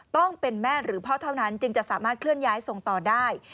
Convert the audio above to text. ต้องเป็นแม่หรือพ่อเท่านั้นจึงจะสามารถเคลื่อนย้ายส่งต่อได้